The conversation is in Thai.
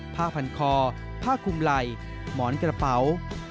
ผ้าพันคอผ้าคุมไหล่หมอนกระเป๋า